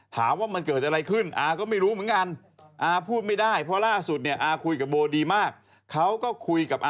ถามว่ามันเกิดอะไรขึ้นอาร์ก็ไม่รู้เหมือนกันอาร์พูดไม่ได้เพราะล่าสุดอาร์คุยกับโบดีมาก